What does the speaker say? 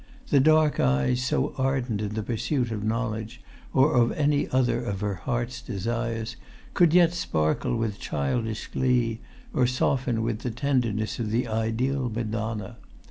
The dark eyes, so ardent in the pursuit of knowledge, or of any other of her heart's desires, could yet sparkle with childish glee, or soften with the tenderness of the ideal Madonna.